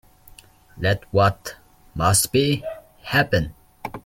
Let what must be, happen.